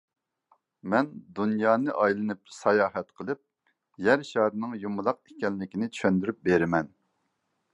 مەن دۇنيانى ئايلىنىپ ساياھەت قىلىپ يەر شارىنىڭ يۇمىلاق ئىكەنلىكىنى چۈشەندۈرۈپ بېرىمەن.